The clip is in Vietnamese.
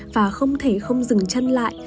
và không thể không dừng chân lại